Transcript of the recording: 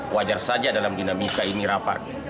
wajar saja dalam dinamika ini rapat